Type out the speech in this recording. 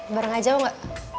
bareng aja mau gak